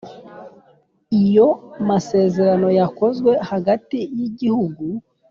Iyo masezerano yakozwe hagati y igihugu